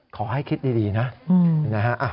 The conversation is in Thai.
ขอให้คิดดีนะนะฮะ